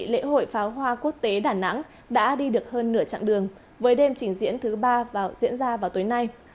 lễ hội pháo hoa quốc tế đà nẵng đã đi được hơn nửa chặng đường với đêm trình diễn thứ ba vào diễn ra vào tối nay